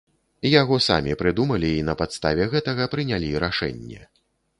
Яго самі прыдумалі і на падставе гэтага прынялі рашэнне.